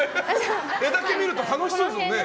絵だけ見ると楽しそうですもんね。